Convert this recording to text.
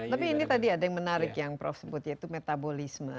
tapi ini tadi ada yang menarik yang prof sebut yaitu metabolisme